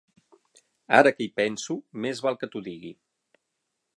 Ara que hi penso, més val que t'ho digui.